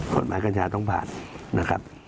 กัญชาต้องผ่านนะครับ